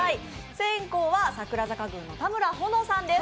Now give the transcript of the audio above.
先攻は櫻坂軍の田村保乃さんです。